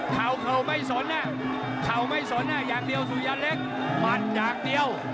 เข่าเข่าไม่สนเข่าไม่สนอย่างเดียวสุยันเล็กหมัดอย่างเดียว